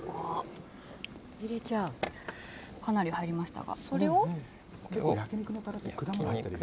かなり入りましたが、それを。